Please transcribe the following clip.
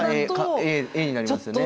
Ａになりますよね。